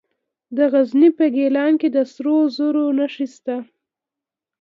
د غزني په ګیلان کې د سرو زرو نښې شته.